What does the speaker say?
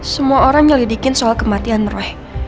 semua orang nyelidikin soal kematian roy